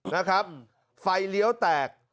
นะครับไฟเลี้ยวแตก